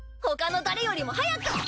他の誰よりも早く。